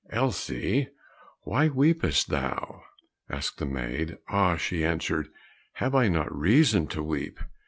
"Elsie, why weepest thou?" asked the maid. "Ah," she answered, "have I not reason to weep?